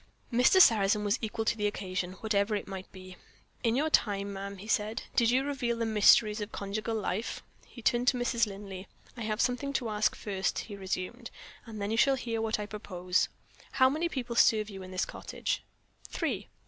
Mr. Sarrazin was equal to the occasion, whatever it might be. "In your time, ma'am," he said, "did you reveal the mysteries of conjugal life?" He turned to Mrs. Linley. "I have something to ask first," he resumed, "and then you shall hear what I propose. How many people serve you in this cottage?" "Three.